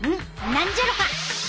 何じゃろか。